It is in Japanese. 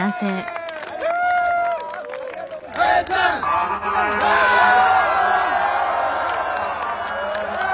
永ちゃん！永ちゃん！